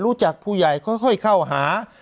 รู้จักผู้ใหญ่ค่อยเข้าหา